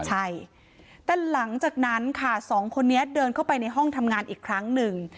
ใช่แต่หลังจากนั้นค่ะสองคนนี้เดินเข้าไปในห้องทำงานอีกครั้งหนึ่ง